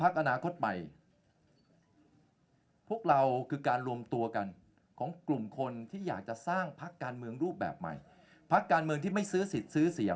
จากวันที่โดยเมืองูลติเสียว